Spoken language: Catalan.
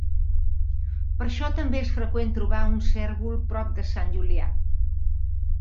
Per això també és freqüent trobar un cérvol prop de Sant Julià.